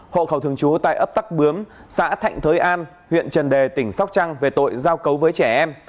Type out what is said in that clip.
hộ khẩu thường trú tại ấp tắc bướm xã thạnh thới an huyện trần đề tỉnh sóc trăng về tội giao cấu với trẻ em